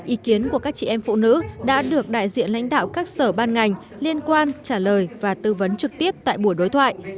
ý kiến của các chị em phụ nữ đã được đại diện lãnh đạo các sở ban ngành liên quan trả lời và tư vấn trực tiếp tại buổi đối thoại